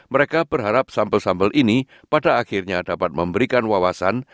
mereka berharap sampel sampel ini pada akhirnya dapat memberikan wawasan